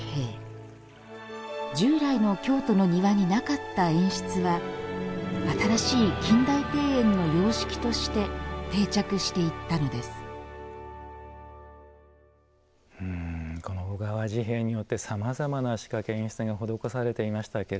従来の京都の庭になかった演出は新しい近代庭園の様式として定着していったのですこの小川治兵衛によってさまざまな仕掛け演出が施されていましたけれども。